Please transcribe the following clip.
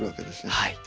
はい。